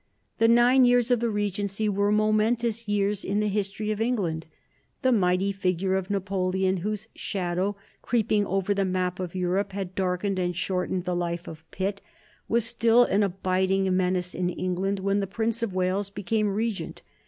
The nine years of the Regency were momentous years in the history of England. The mighty figure of Napoleon, whose shadow, creeping over the map of Europe, had darkened and shortened the life of Pitt, was still an abiding menace to England when the Prince of Wales became Regent.